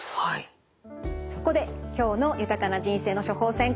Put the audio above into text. そこで今日の「豊かな人生の処方せん」